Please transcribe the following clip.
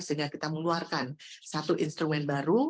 sehingga kita mengeluarkan satu instrumen baru